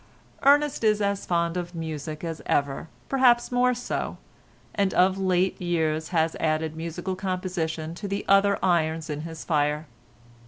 Ernest is as fond of music as ever, perhaps more so, and of late years has added musical composition to the other irons in his fire.